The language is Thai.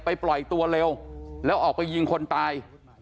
ปล่อยตัวเร็วแล้วออกไปยิงคนตาย